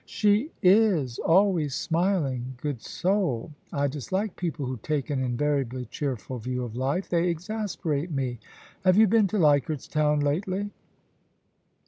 * She is always smiling, good soul ! I dislike people who take an invariably cheerful view of life — they exasperate me. Have you been to Leichardt's Town lately